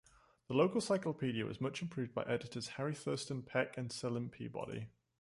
The "local Cyclopaedia" was much improved by editors Harry Thurston Peck and Selim Peabody.